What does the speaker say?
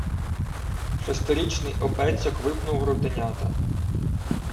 Шестирічний опецьок випнув груденята: